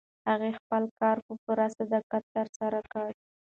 هغې خپل کار په پوره صداقت ترسره کړ.